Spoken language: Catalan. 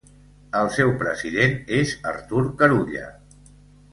El seu president és Artur Carulla.